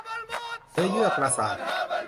เนื้อเยื่อประสาท